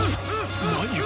何を。